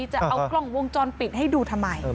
จะเอากล้องวงจรปิดให้ดูทำไม